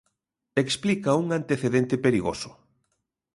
Explica un antecedente perigoso.